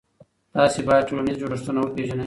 تاسې باید ټولنیز جوړښتونه وپېژنئ.